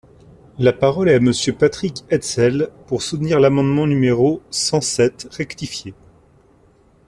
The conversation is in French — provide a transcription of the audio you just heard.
La parole est à Monsieur Patrick Hetzel, pour soutenir l’amendement numéro cent sept rectifié.